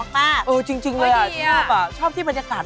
ตามแอฟผู้ชมห้องน้ำด้านนอกกันเลยดีกว่าครับ